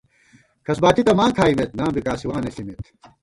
کھسباتی تہ ماں کھائیمېت نام بی کاسِوانہ ݪِمېت